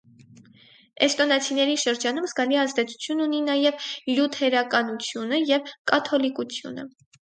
Էստոնացիների շրջանում զգալի ազդեցություն ունի նաև լյութերականությունը և կաթոլիկությունը։